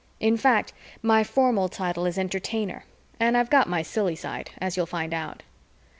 In fact, my formal title is Entertainer and I've got my silly side, as you'll find out.